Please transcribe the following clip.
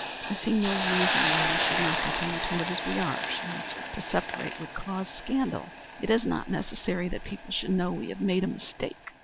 I see no reason why we should not continue to live as we are," she answered. "To separate would cause scandal. It is not necessary that people should know we have made a mistake.